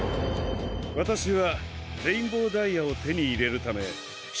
わたしはレインボーダイヤをてにいれるためし